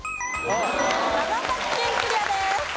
長崎県クリアです。